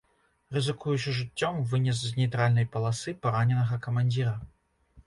Рызыкуючы жыццём, вынес з нейтральнай паласы параненага камандзіра.